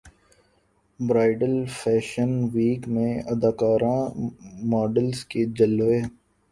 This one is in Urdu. برائڈل فیشن ویک میں اداکاراں ماڈلز کے جلوے